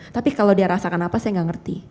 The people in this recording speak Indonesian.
tapi kalau dia rasakan apa saya nggak ngerti